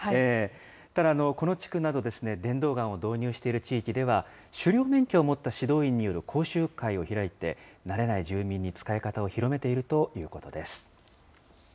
ただ、この地区など、電動ガンを導入している地域では、狩猟免許を持った指導員による講習会を開いて、慣れない住民に使い方を広めているということです。